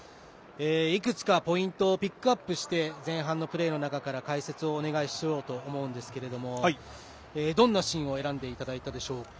いくつかポイントピックアップして前半のプレーの中から解説をお願いしようと思うんですけどどんなシーンを選んでいただいたでしょうか。